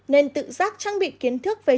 nên tự giác trang bị kiến thức về chữa cháy